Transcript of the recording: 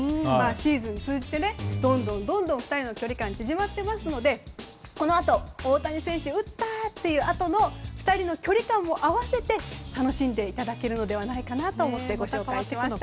シーズンを通じて、どんどん２人の距離感が縮まっていますのでこのあと大谷選手打ったというあとの２人の距離感も併せて楽しんでいただけるのではないかなと思ってご紹介しました。